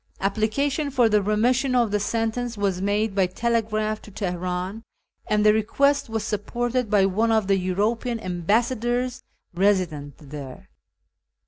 Application for the remission of the sentence was made by telegraph to Teheran, and the request was supported by one of the European Ambassadors resident there.